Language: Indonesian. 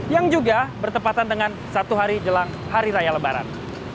yang juga bertepatan dengan satu hari jelang hari raya lebaran